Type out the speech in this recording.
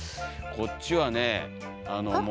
こっちはねあの。